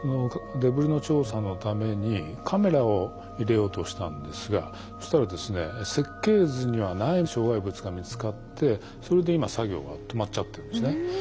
デブリの調査のためにカメラを入れようとしたんですがそしたらですね設計図にはない障害物が見つかってそれで今作業が止まっちゃってるんですね。